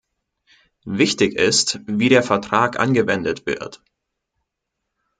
Wichtig ist, wie der Vertrag angewendet wird.